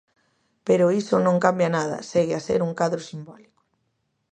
Pero iso non cambia nada: segue a ser un cadro simbólico.